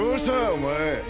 お前。